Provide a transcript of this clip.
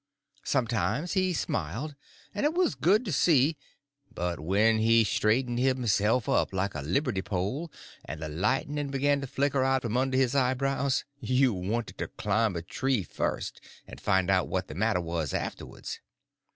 Sometimes he smiled, and it was good to see; but when he straightened himself up like a liberty pole, and the lightning begun to flicker out from under his eyebrows, you wanted to climb a tree first, and find out what the matter was afterwards.